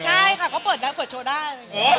ใช่ค่ะเขาเปิดโชว์ได้